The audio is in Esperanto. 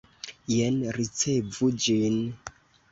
Jen ricevu ĝin!